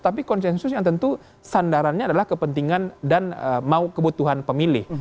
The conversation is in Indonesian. tapi konsensus yang tentu sandarannya adalah kepentingan dan mau kebutuhan pemilih